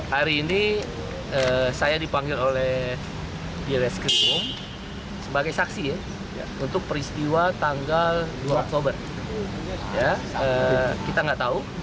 hari ini saya dipanggil oleh treskrimumpol